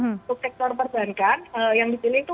untuk sektor perbankan yang dipilih itu